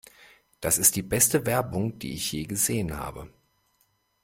Das ist die beste Werbung, die ich je gesehen habe!